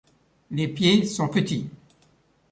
Les pieds sont petits.